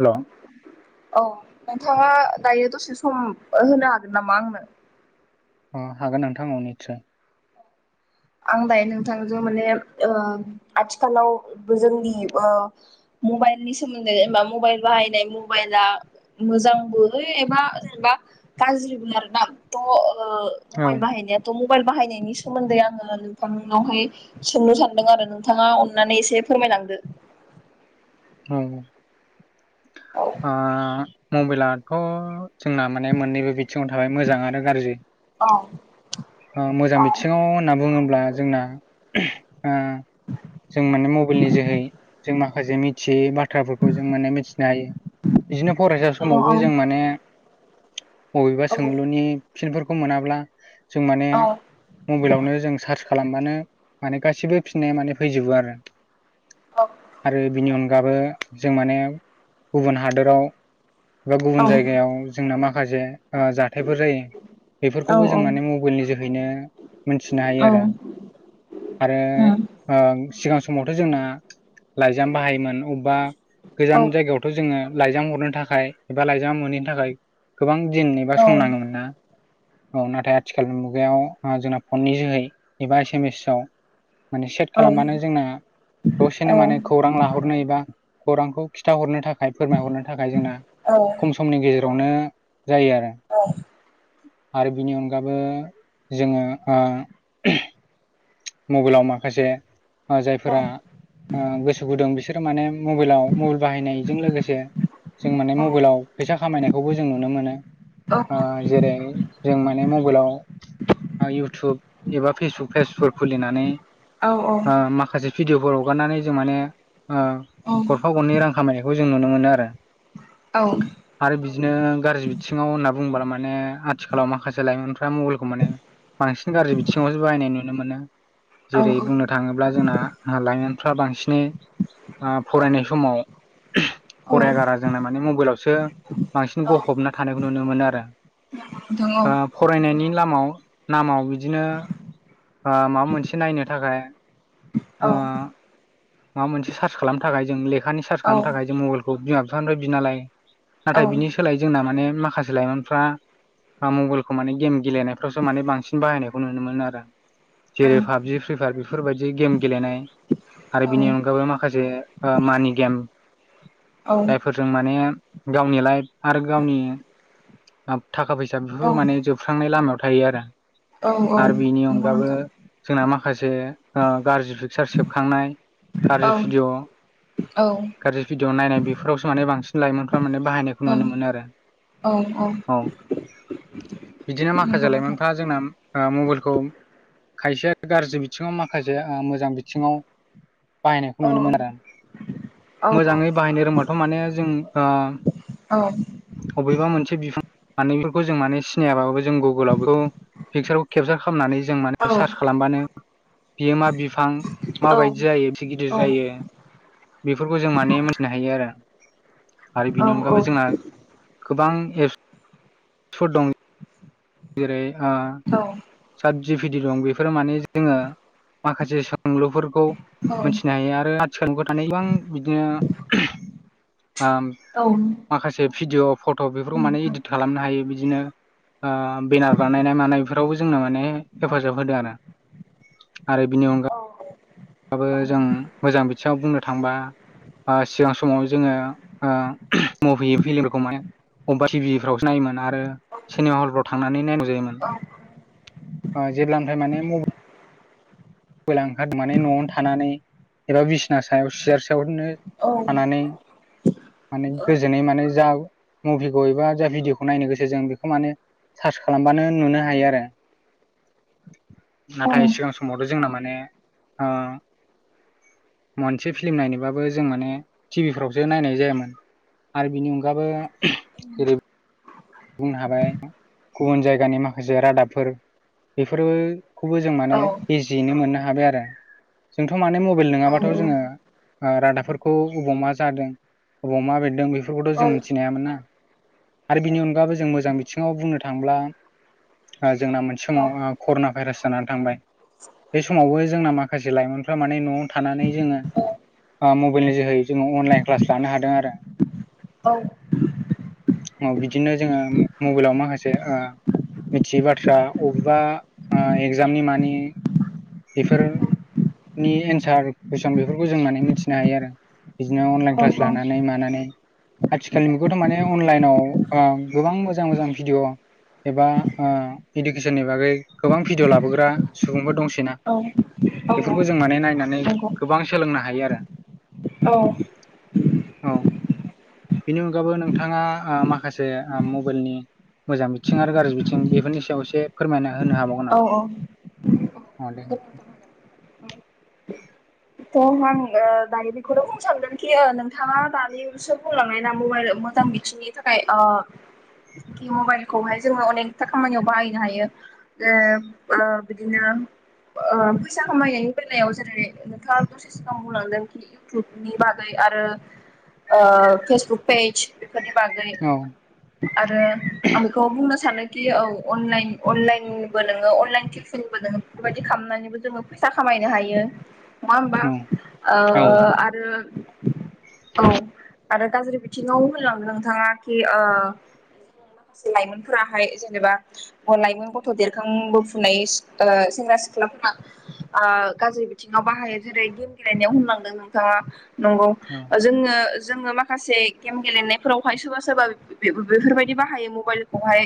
हेल' औ नोंथाङा दायो दसे सम होनो हागोन नामा आंनो अ हागोन नोंथां निस्सय आं दायो नोंथांजों माने ओ आथिखालाव जोंनि ओ मबाइल नि सोमोन्दै जेनबा मबाइल बाहायनाय मबाइला मोजांबो एबा जेनेबा गाज्रिबो आरोना' औ मबाइल बाहायनायाथ' मबाइल बाहायनायनि सोमोन्दै आं आङो नोंथांनाहाय सोंनो सानदों आरो नोंथाङा अननानै एसे फोरमायलांदो [inaudible] ह औ आ मबाइलाथ' जोंना माने मोननैबो बिथिङाव थाबाय मोजां आरो गाज्रि औ मोजां औ बिथिङाव होनना बुङोब्ला जोंना ओ जों माने मबाइलनि जोहै जों माखासे मिथियै बाथ्राफोरखौ जों माने मिथि बिदिनो फरायसा समावबो औ जों माने बबेबा औ सोंलुनि फिनफोरखौ मोनाब्ला जों माने औ मबाइलावनो जों सार्च खालामबानो माने गासिबो फिननाया माने फैजोबो आरो आरो बिनि गाबो जों माने गुबुन हादराव बा औ गुबुन जायगायाव जोंना माखासे जाथायफोर जायो औ बेफोरखौबो जों माने मबाइलनि जोहैनो मोनथिनो हायो औ आरो आरो सिगां समावथ' जोंना लाइजाम बाहायोमोन अबेबा औ गोजान जायगायावथ' जोङो लाइजाम हरनो थाखाय एबा लाइजाम मैनैनो थाखाय गोबां दिन औ बा सम नाङोमोन ना औ नाथाय आथिखाल मुगायाव जोंना फननि जोहै एबा एस एम एसआव माने सेट औ खालामबानो जोंना दसेनो माने खौरां लाहरनो एबा खौरांखौ खिन्थाहरनो थाखाय फोरमायहरनो थाखाय जोंना खम समनि गेजेरावनो जायो आरो आरो बिनि अनगाबो जोङो ओ मबेलाव माखासे जायफोरा ओ गोसो गुदुं बिसोर माने मबेलाव मबेल बाहायनायजों लोगोसे जों माने मबेलाव फैसा खामायनायखौबो जों नुनो मोनो ओ जेरै जों माने मबेलाव इउटुब एबा फेसबुक पेजफोर खुलिनानै औ ओ माखासे भिडिअफोर हगारनानै जों माने ओ गरफा गरनै रां खामायनायखौ जों नुनो मोनो आरो आरो बिदिनो गाज्रि बिथिङाव होनना बुंबला मा ने आथिखालाव माखासे लाइमोनफ्रा मबेलखौ माने बांसिन गाज्रि बिथिङावसो बाहायनाय नुनो मोनो जेरै बुंनो थाङोब्ला जोंना लाइमोनफ्रा बांसिनै ओ फरायनाय समाव फरायखगारा जोंना माने मबेलावसो बांसिन गफबना थानायखौ नुनो मोनो आरो नोंथां औ औ ओ फरायनायनि लामाव नामाव बिदिनो माबा मोनसे नायनो थाखाय औ ओ माबा मोनसे सार्च खालामनो थाखाय जों लेखानि सार्च खालामनो थाखाय औ जों मबेलखौ बिमा बिफानिफ्राय बिना लायो औ नाथाय बिनि सोलाय जोंना माने माखासे लाइमोनफ्रा बा मबेलखौ माने गेम गेलेनायफ्रावसो माने बांसिन बाहायनायखौ नुनो मोनो आरो जेरै पाबजि फ्रि फायार बेफोरबायदि गेम गेलेनाय बिनि औ औ अनगायै माखासे ओ मानि गेम जायफोरजों माने गावनि लाइफ आरो गावनि थाखा फैसा बेफोबो माने जोबस्रांनाय लामायाव थायो आरो औ आरो बिनि अनगाबो जोंना माखासे गाज्रि पिकसार सेबखांनाय गाज्रि भिडिअ गाज्रि भिडिअ नायनाय बेफोरावसो माने बांसिन लाइमोनफ्रा माने बाहायनायखौ नुनो मोनो आरो औ बिदिनो नंगौ माखासे नोंथां लाइमोनफ्रा जोंना ओ मबेलखौ खायसेया गाज्रि बिथिङाव माखासे मोजां बिथिङाव बाहायनायखौ औ नुनो मोनो आरो औ औ मोजाङै बाहायनो रोंबाथ' माने जों औ अबेबा मोनसे बिफां मान बेफोरखौ जों माने सिनायाबाबो जों गुगोलाव बेखौ पिकसारखौ केपसार खालामनानै जों माने सार्च नंगौ खालामबानो बियो मा बिफां नोंथां औ माबायदि जायो बिसे औ गिदिर जायो बेफोरखौ जों माने मोनथिनो हायो आरो आरो बेनि औ अनगाबो जोंना गोबां एपसफोर दं जेरै सातजिभिदि दं बेफोरो माने जोङो [inaudible] माखासे सोंलुफोरखौ मोनथिनो हायो आरो आथिखाल थानाय गोबां बिदिनो आ माखासे भिदिअ फट' बेफोरखौ माने इदित खालामनो हायो। बिदिनो ओ बेनार बानायनाय मानाय बेफोरावबो जोंनो माने हेफाजाब होदों आरो। आरो बिनि अनगा बो जों मोजां बिथिङाव बुंनो थांबा आ सिगां समाव जोङो ओ मभि फिलमफोरखौ माने अबेबा टिभिफ्राव नायोमोन आरो सिनेमा हलफोराव थांनानै नायगौ जायोमोन। जेब्लानिफाय माने म मबेला ओंखार माने नवावनो थानानै एबा बिसना सायाव सो [unintelligible] औ औ थानानै माने थ' गोजोनै माने जा मुभिखौ एबा जा भिडिअखौ नायनो गोसो जों बेखौ माने सार्च खालामबानो नुनो हायो आरो। [inaudible] नाथाय आं सिगां समावथ' जोंना माने ओ मोनसे फिल्म नायनोबाबो जों माने टिभिफ्रावसो नायनाय जायामोन। आरो बिनि अनगाबो जेरै बुंनो हाबाय गुबुन जायगानि माखासे रादाबफोर बेफोरबो खौबो जों ओ माने दायो इजियैनो मोननो हाबाय। आरो जोंथ' माने मबाइल नङाबाथ' जोङो रादाबफोरखौ अबाव मा जादों अबाव मा बेरदों बेफोर फोरखौथ' जों मिथिनो हायामोन ना आरो बिनि अनगाबो जों मोजां बिथिङाव बुंनो थांब्ला जोंना मोनसे समाव कर'ना भाइरास जानानै थांबाय बे समावबो जोंना माखासे लाइमोनफ्रा माने न'आव थानानै जोङो मबाइलनि जोहै जोङो अनलाइन क्लास लानो हादों। आरो औ। बिदिनो जोङो मबाइलाव माखासे ओ मिथियै बाथ्रा अबेबा एगजामनि मानि बेफोर नि एन्सार कुइसन बेफोरखौ जों माने मिथिनो हायो आरो। बिदिनो अनलाइन क्लास लानानै मानानै आथिखालनि मुगायावथ' माने अनलाइनाव ओ गोबां मोजां मोजां भिडिअ एबा ओ इडुकेसननि बागै गोबां भिडिअ लाबोग्रा सुबुंबो दंसैना बेफोरखौ जों माने नायनानै गोबां सोलोंनो हायो आरो। औ। औ बेनि अनगायैबो नोंथाङा माखासे मबाइलनि मोजां बिथिं आरो गाज्रि बिथिं बेफोरनि सायाव एसे फोरमायना होनो हाबावगोन नामा? अ दे। थ' आं ओ दायो बेखौनो बुं सानोन कि नोंथाङा दानिसो बुंलांनाय ना मबाइ मोजां बिथिंनि थाखाय मबाइलखौहाय जोङो अनेकथा खामानियाव बाहायनो हायो। ओ ओ बिदिनो ओ फैसा खामायनायनि बेलायाव जेरै नोंथाङा दसे सिगां बुंलांदों खि इउटुबनि बागै आरो आ फेसबुक पेेज बेफोरनि बागै औ आरो आं बेखौ बुंनो सानो औ अनलाइन अनलाइनबो नोङो अनलाइन टिउसनबो नोङो बेफोरबायदि खालामनानैबो जोङो फैसा खाम खामायनो हायो नङा होनबा। ओ औ आरो औ आरो गाज्रि बिथिङाव होनलाङो नोंथाङा कि ओ माखासे लाइमोनफोराहाय जेनेबा लाइमोन गथ' देरखांबोफुनाय ओ सेंग्रा सिख्लाफोरा ओ गाज्रि बिथिङाव बाहायो जेरै गेम गेलेनायाव होनलांदों नोंथाङा नंगौ। औ जोङो जोङो माखासे गेम गेलेनायफोरावहाय सोरबा सोरबा बेफोरबायदि बाहायो मबाइलखौहाय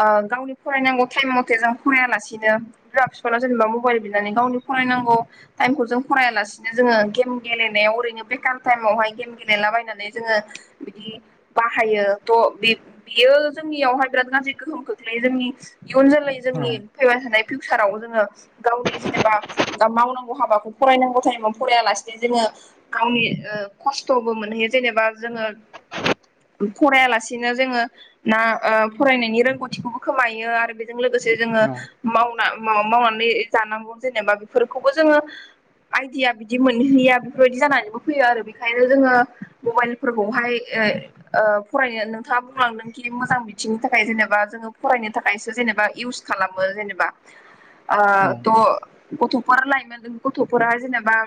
ओ गावनि फरायनांगौ टाइम मथे जों फरायालासिनो बिमा बिफानाव जेनेबा मबाइल बिनानै गावनि फरायनांगौ टाइमखौ जों फरायालासिनो जोङो गेम गेलेनायाव ओरैनो बेखार टाइमावहाय गेम गेलेलाबायनानै जोङो बिदि बाहायो थ' बियो जोंनियावहाय बिराद गाज्रि गोहोम खोख्लैयो इयुन जोलै जोंनि गोजोननाय फैबाय थानाय फिउचाराव जोङो गावनि जेनेबा मावनांगौ हाबाखौ फरायनांगौ टाइमाव फरायालासेनो जोङो गावनि ओ खस्थ'बो मोनहैयो जेनेबा जोङो फरायालासि बिदिनो जोङो ना ओ फरायनायनि रोंगौथिखौबो खोमायो आरो [unintelligible] लोगोसे जोङो मावना मावनानै जानांगौ जेनेबा बेफोरखौबो जोङो आइडिया बिदि मोनहैया बेफोरबायदि जानानैबो फैयो आरो बेखायनो जोङो मबाइलफोरखौहाय ओ फरायनो नोंथाङा बुंलांदोंखि मोजां बिथिंनि थाखाय जेनेबा जोङो फरायनो थाखायसो जेनेबा इयुज खालामो जेनेबा ओ थ' [unintelligible] लायमोन गथ'फोरा जेनेबा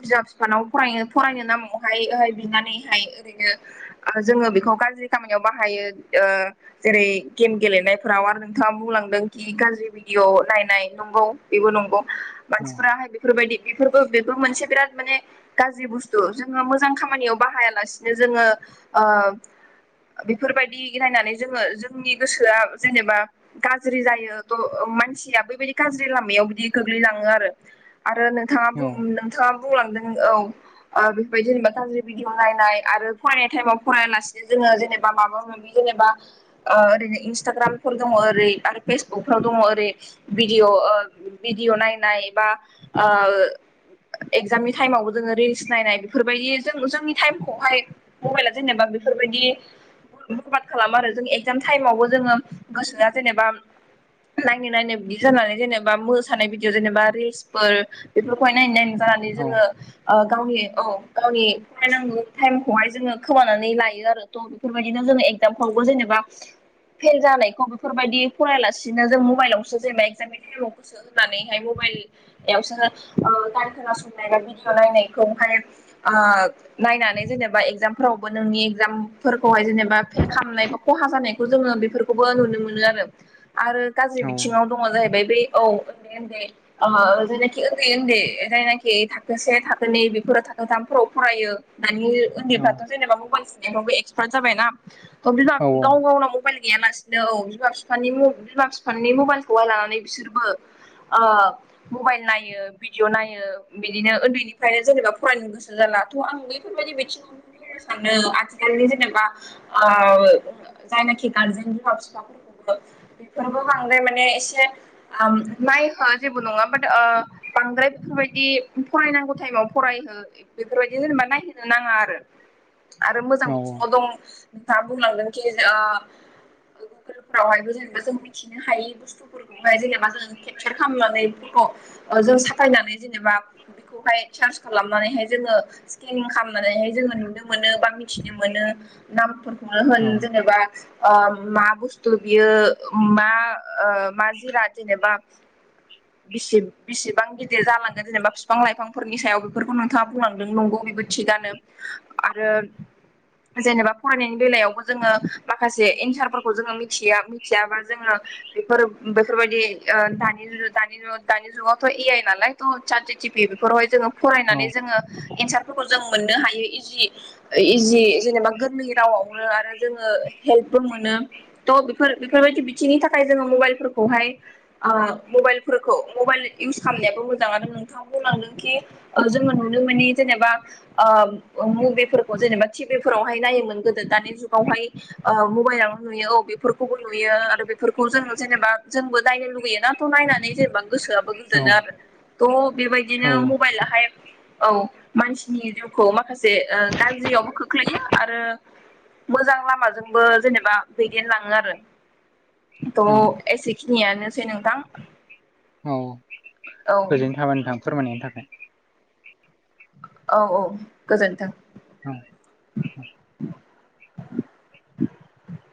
बिमा बिफानाव फरायनो फरायनो नामावहाय बिनानैहाय ओरैनो जोङो बेखौ गाज्रि खामानियाव बाहायो ओ जेरै गेम गेलेनायफोराव आरो नोंथाङा बुंलांदों खि गाज्रि बिदिअ नायनाय नंगौ बेबो नंगौ मानसिफ्राहाय बेफोरबायदि बिफोरबो बेफोरबो मोनसे बिरात माने गाज्रि बुस्थु जोङो मोजां खामानियाव बाहाया लासिनो जोङो ओ ओ बेफोरबायदि नायनानै जोङो जोंनि गोसोआ जेनेबा गाज्रि जायो मानसिया बेैबायदि गाज्रि लामायाव बिदि गोग्लैलाङो आरो नोंथाङा नोंथाङा बुंलांदों औ। ओ बेफोरदि जेनेबा गाज्रि भिदिअ नायनाय आरो फरायनाय टाइमाव फरायालासिनो जोङो जेनेबा माबा होन जेनेबा ओ ओरैनो इनस्थाग्रामफोर दंङ ओरै फेसबुक फोराव दंङ ओरै बिदिअ ओ भदिअ नायनाय बा ओ एगजामनि टाइमावबो जोङो रिल्स नायनाय बेफोरबायदि जों जोंनि टाइमखौहाय मबाइला जेनेबा बेफोर बायदि प्रबाद खालामो आरो जों एगजाम टाइमावबो जोङो गोसोआ जेनेबा नायनो नायनो बिदि जानानै जेनेबा मोसानाय बिदियाव जेनेबा रिल्सफोर बेफोरखौहाय नायनो नायनानै जानानै जोङो ओ गावनि औ गावनि फरायनांगौ टाइमखौहाय जोङो खोमानानै लायो आरो थ' बेफोरबायदिनो जोङो एगजामफ्राव बुजेनबा फेल जानायखौ बेफोरबायदि फरायलासिनो जों मबाइलावसो जेनेबा एगजामनि टाइमाव गोसो होनानैहाय मबाइल बेयावसो ओ गान खोनासंनाय बा भिडिअ नायनायखौहाय आ नायनानै माने जेनेबा नोंनि एक्जामफोरावबो नोनि एक्जामफोर फोरखौहाय जेनेबा फेल खालामनाय बा खहा जानायखौ जोङो बेफोरखौबो नुनो मोनो आरो। आरो गाज्रि बिथिङाव दङ जाहैबाय बे औ उन्दै उन्दै ओ जायनाखि उन्दै उन्दै जायनाखि थाखो से थाखोनि‌ बेफोरो थाखोथामफोराव फरायो मानि उन्दैफ्राथ' जेनेबा मबाइल थुनायफ्रावबो एक्सपार्ट जाबायना बिबा गाव गावनाव मबाइल गैयालासे बिदिनो औ बिमा बिफानि बिमा बिफानि मबाइलखौहाय लानानै बिसोरबो ओ मबाइल नायो भिडिअ' नायो बिदिनो उन्दैनिफ्रायनो जेनेबा फरायनो गोसो जालाथ' आं बे बेफोरबायदि बि बुंनो सानो आथिखालनि जेनेबा ओ जायनाखि गारजेन बिमा बिफाफोरखौबो बिसोरबो बांद्राय माने एसे आम [unintelligible] नंआ बाद ओ बांद्राय बेफोरबायदि फरायनांगौ थाइमाव फरायहो बेफोरबायदि जेनेबा नायहोनो नाङा आरो आरो मोजां बिथिंआव दं [unintelligible] बुंलांगोनखि ओ गुगोल फोरावहायबो जेनेबा जों मिथिनो हायि बुस्थुफोरखौहाय जेनेबा जों केपचार खालामनानै [unintelligible] ' जों साफायनानै जेनेबा खौहाय सार्च खालामनानैहाय जोङो स्केनिं खालामनानैहाय जोङो नुनो मोनो बा मिथिनो मोनो। नामफोरखौनो होन जेनेबा ओ मा बुस्थु बियो मा ओ मा जिराद जेनेबा [inaudible] बिसिब बिसिबां गिदिर जालांगोन जेनेबा बिफां लाइफांफोरनि सायाव बेफोरखौ नोंथाङा बुंलांदों नंगौ बेबायदि थिगानो आरो जेनेबा फरायनायनि बेलायावबो जोङो माखासे एन्सारफोरखौ जोङो मिथिया मिथियाबा जोङो बेफोर बेफोरबायदि दानि दानि दानि जुगावथ' ए आइ नालाय थ' चिटिपिि बेफोरावहाय जोङो फरायनानै जोङो एन्सारफोरखौ जों मोननो हायो इजि इजि जेनेबा गोरलै रावआवनो आरो जोङो हेल्पबो मोनो थ बेफोर बेफोरबायदि बिथिंनि थाखाय जोङो मबाइलफोरखौहाय मबल फोरखौ मबाइल इउस खालामनायाबो मोजां आरो नोंथां बुंलांदों कि जोङो नुनो मे जेनेबा मुभिफोरखौ जेनेबा टिभि फोरावहाय नायोमोन गोदो दानि जुगावहायु थायनानै नुयो औ बेफोरखौबो नुयो आरो बेफोरखौ जों जेनेबा जोंबो नायनो लुुबैय नाथ' नायनानै जेनेबा गोसोआबो गोजोनो आरो थह बेबायदिनो मबाइलाहाय औ मानसिनि जिउखौ माखासे ओ गाज्रियावबो खोख्लैयो आरो मोजां लामाजोंबो जेनेबा दैदेनलाङो आरो थ' एसेखिनियानोसै नोंथां औ गोजोंनो थाबाय नोंथां फोरमायनायनि थाखाय औ औ गोजोनथों औ [unintelligible]